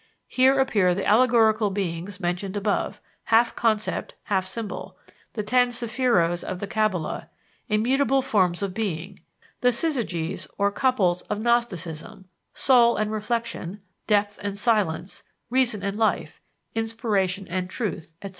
Here appear the allegorical beings mentioned above, half concept, half symbol; the ten Sephiros of the Cabala, immutable forms of being; the syzygies or couples of Gnosticism soul and reflection, depth and silence, reason and life, inspiration and truth, etc.